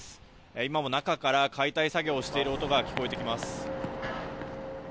今も中から解体工事を行っている音が聞こえます。